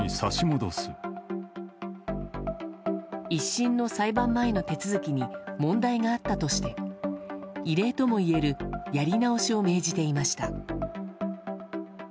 １審の裁判前の手続きに問題があったとして異例ともいえるやり直しを命じていました。